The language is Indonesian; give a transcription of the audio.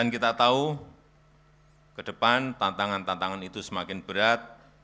kita tahu ke depan tantangan tantangan itu semakin berat